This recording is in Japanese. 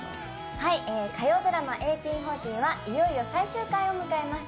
火曜ドラマ「１８／４０」はいよいよ最終回を迎えます。